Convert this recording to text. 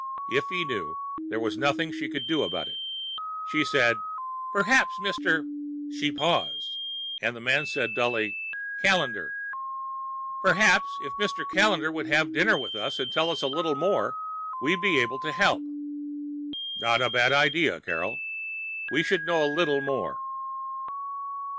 If he knew, there was nothing she could do about it. She said, "Perhaps Mr. " She paused, and the man said dully, "Callendar." "Perhaps if Mr. Callendar would have dinner with us and tell us a little more, we'd be better able to help." "Not a bad idea, Carol. We should know a little more."